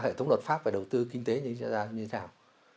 hệ thống luật pháp về đầu tư kinh tế như thế nào